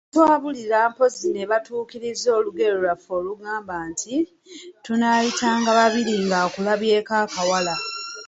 Batwabulira mpozzi nebatuukiriza olugero lwaffe olugamba nti, “Tunaayitanga babiri ng'akulabyeko akawala.”